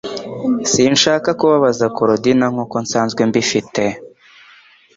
Sinshaka kubabaza Korodina nkuko nsanzwe mbifite